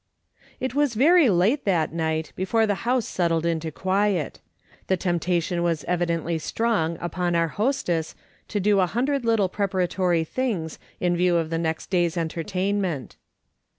It was very late that night before the liouse settled into quiet. The temptation was evidently strong upon our hostess to do a hundred little prepara tory things in view of the nexL's day's entertain ment.